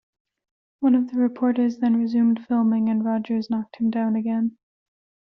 One of the reporters then resumed filming and Rogers knocked him down again.